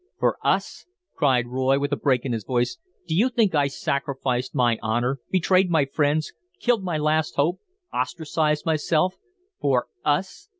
"For US!" cried Roy, with a break in his voice. "Do you think I sacrificed my honor, betrayed my friends, killed my last hope, ostracized myself, for 'US'?